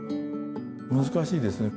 難しいですね。